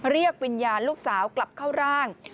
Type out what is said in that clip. เรียกวิญญาณลูกสาวกลับเข้าร่าง